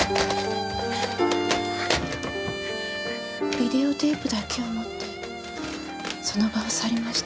ビデオテープだけを持ってその場を去りました。